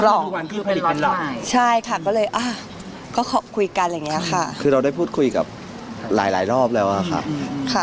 เราก็ได้พูดคุยกับหลายรอบแล้วอ่ะค่ะ